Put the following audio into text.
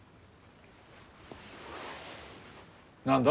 何だ？